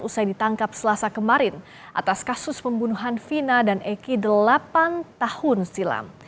usai ditangkap selasa kemarin atas kasus pembunuhan vina dan eki delapan tahun silam